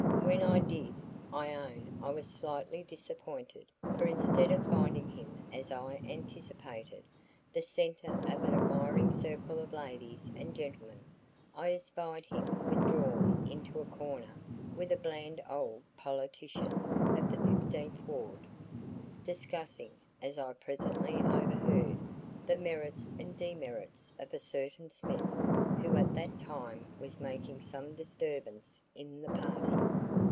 When I did, I own I was slightly disappointed; for instead of finding him as I anticipated, the centre of an admiring circle of ladies and gentlemen, I espied him withdrawn into a corner with a bland old politician of the Fifteenth Ward, discussing, as I presently overheard, the merits and demerits of a certain Smith who at that time was making some disturbance in the party.